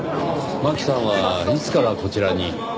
マキさんはいつからこちらに？